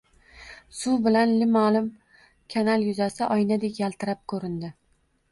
Suv bilan limmo-lim kanal yuzasi oynadek yaltirab ko`rindi